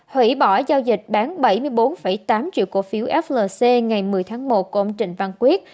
hủy bỏ giao dịch bán bảy mươi bốn tám triệu cổ phiếu flc ngày một mươi tháng một của ông trịnh văn quyết